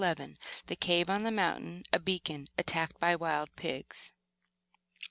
* *The Cave on the Mountain; A Beacon; Attacked by Wild Pigs.